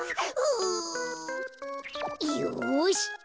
よし！